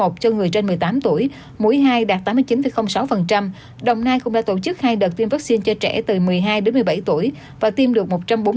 tổng cộng tỉnh đồng nai đã tổ chức hai đợt tiêm vaccine cho trẻ từ một mươi hai đến một mươi bảy tuổi và tiêm được một trăm bốn mươi chín bảy trăm bảy mươi một